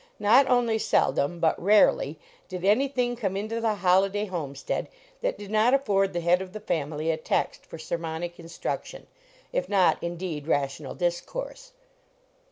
Not only seldom, but rare ly, did anything come into the Holliday homestead that did not afford the head of the family a text for scrmonic instruc tion, if not, indeed, rational discourse.